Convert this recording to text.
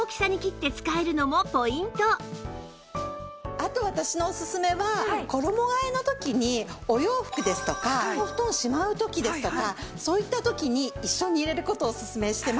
あと私のおすすめは衣替えの時にお洋服ですとかお布団をしまう時ですとかそういった時に一緒に入れる事をおすすめしてます。